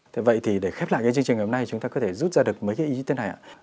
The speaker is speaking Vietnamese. thế vậy thì để khép lại cái chương trình hôm nay chúng ta có thể rút ra được mấy cái ý tên này ạ